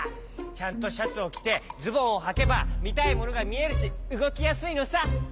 ちゃんとシャツをきてズボンをはけばみたいものがみえるしうごきやすいのさ！